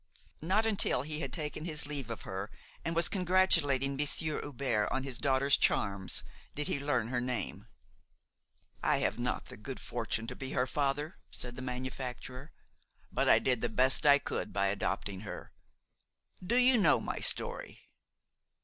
Not until he had taken his leave of her and was congratulating Monsieur Hubert on his daughter's charms, did he learn her name. "I have not the good fortune to be her father," said the manufacturer; "but I did the best I could by adopting her. Do you not know my story?"